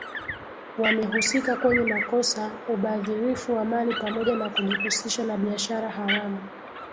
wamehusika kwenye makosa ubadhirifu wa mali pamoja na kujihusisha na biashara haramu